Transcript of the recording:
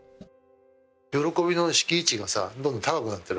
喜びの敷居値がどんどん高くなっている。